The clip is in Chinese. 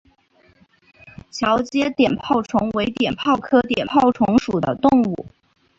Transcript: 桥街碘泡虫为碘泡科碘泡虫属的动物。